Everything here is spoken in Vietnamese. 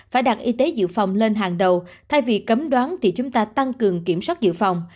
phải đặt y tế dự phòng lên hàng đầu thay vì cấm đoán thì chúng ta tăng cường kiểm soát dự phòng